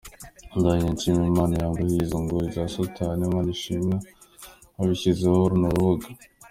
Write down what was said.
Ndangije shima Imana yambohoye izo ngoyi za Satani, nanashimira abashyizeho runo rubuga.